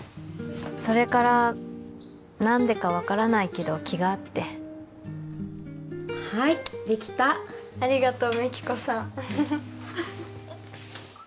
それから何でか分からないけど気が合ってはいできたありがとう美貴子さん